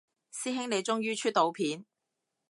師兄你終於出到片